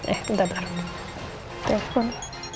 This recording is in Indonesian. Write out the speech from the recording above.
eh bentar bentar telepon